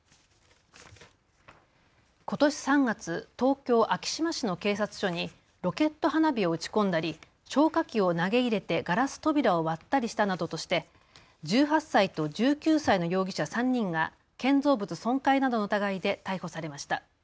ことし３月、東京昭島市の警察署にロケット花火を打ち込んだり消火器を投げ入れてガラス扉を割ったりしたなどとして１８歳と１９歳の容疑者３人が建造物損壊などの疑いで逮捕されました。